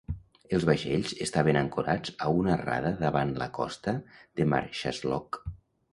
Els vaixells estaven ancorats a una rada davant la costa de Marsaxlokk.